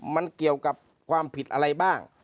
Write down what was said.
มันเกี่ยวกับความผิดอะไรบ้าง